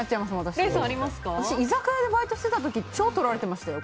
私は、居酒屋でバイトしてた時超撮られてましたよ。